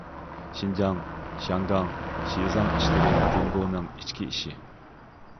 شىنجاڭ، شياڭگاڭ، شىزاڭ ئىشلىرى جۇڭگونىڭ ئىچكى ئىشى.